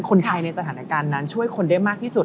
คนไทยในสถานการณ์นั้นช่วยคนได้มากที่สุด